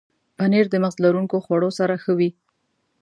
پنېر د مغز لرونکو خوړو سره ښه وي.